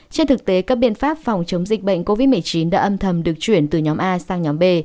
trên thực tế các biện pháp phòng chống dịch bệnh covid một mươi chín đã âm thầm được chuyển từ nhóm a sang nhóm b